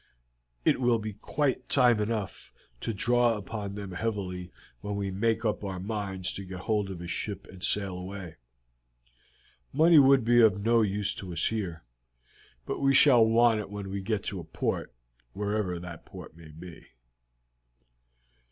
It will be quite time enough to draw upon them heavily when we make up our minds to get hold of a ship and sail away. Money would be of no use to us here, but we shall want it when we get to a port, wherever that port may be."